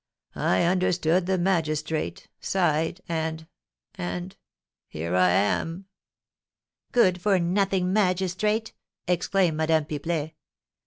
I understood the magistrate, sighed, and and here I am!" "Good for nothing magistrate!" exclaimed Madame Pipelet.